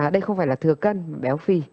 đây không phải là thừa cân mà béo phi